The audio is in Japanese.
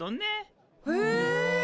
え！